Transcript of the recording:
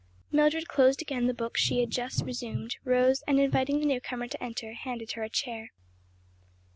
Mildred closed again the book she had just resumed, rose and inviting the new comer to enter, handed her a chair.